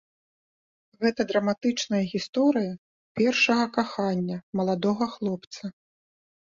Гэта драматычная гісторыя першага кахання маладога хлопца.